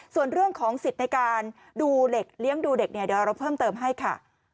ส่วนเรื่องของสิทธิ์ในการดูเหล็กเลี้ยงดูเด็กเนี่ยเดี๋ยวเราเพิ่มเติมให้ค่ะ